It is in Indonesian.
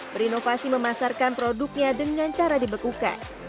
berinovasi memasarkan produknya dengan cara dibekukan